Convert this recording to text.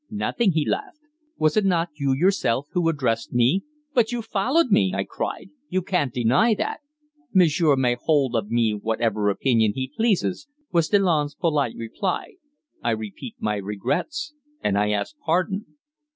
"Nothing," he laughed. "Was it not you yourself who addressed me?" "But you followed me!" I cried. "You can't deny that." "Monsieur may hold of me whatever opinion he pleases," was Delanne's polite reply. "I repeat my regrets, and I ask pardon."